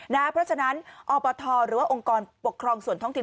เพราะฉะนั้นอบทหรือว่าองค์กรปกครองส่วนท้องถิ่น